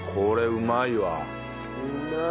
うまい。